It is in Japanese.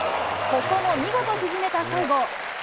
ここも見事沈めた西郷。